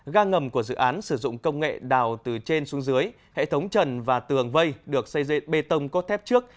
ga ngầm của dự án sử dụng công nghệ đào từ trên xuống dưới hệ thống trần và tường vây được xây dựng bê tông cốt thép trước